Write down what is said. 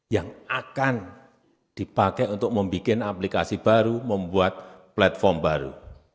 yang akan dipakai untuk membuat aplikasi baru membuat platform baru